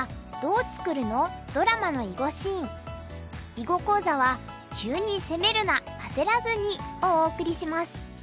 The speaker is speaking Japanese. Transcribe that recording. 囲碁講座は「急に攻めるなあせらずに！」をお送りします。